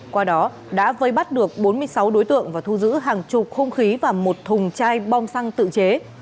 qua đó đã vây bắt được bốn mươi sáu đối tượng và thu giữ hàng chục hung khí và một thùng chai bom xăng tự chế